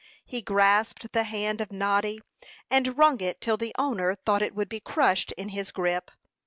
He grasped the hand of Noddy, and wrung it till the owner thought it would be crushed in his grip.